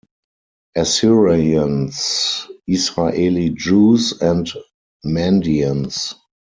Assyrians, Israeli Jews, and Mandeans.